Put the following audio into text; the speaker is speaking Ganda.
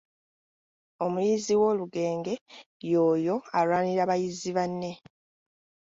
Omuyizzi w’olugenge y’oyo awanirira bayizzi banne.